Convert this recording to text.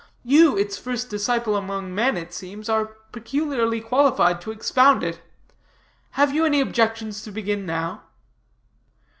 You, its first disciple among men, it seems, are peculiarly qualified to expound it. Have you any objections to begin now?"